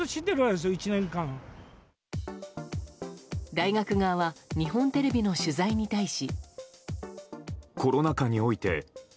大学側は日本テレビの取材に対し。